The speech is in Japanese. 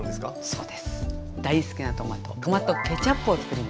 そうです。